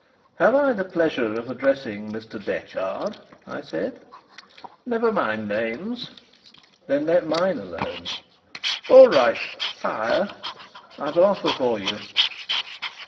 "Have I the pleasure of addressing Mr. Detchard?" I said. "Never mind names." "Then let mine alone." "All right, sire. I've an offer for you."